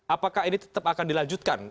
apakah ini tetap akan dilanjutkan